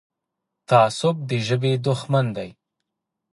تعصب د ژبې دښمن دی.